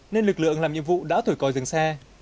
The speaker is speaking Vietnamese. nên lực lượng làm nhiệm vụ đã thổi còi dừng xe